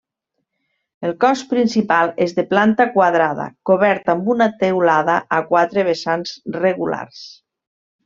El cos principal és de planta quadrada, cobert amb una teulada a quatre vessants regulars.